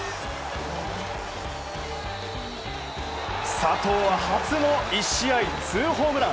佐藤は初の１試合ツーホームラン。